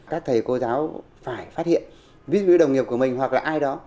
các thầy cô giáo phải phát hiện ví dụ như đồng nghiệp của mình hoặc là ai đó